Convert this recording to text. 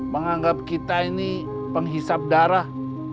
menganggap kita ini penghisap darah